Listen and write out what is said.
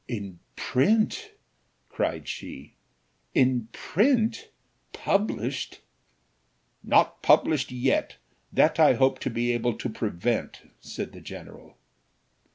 "In print!" cried she; "In print! published!" "Not published yet, that I hope to be able to prevent," said the general.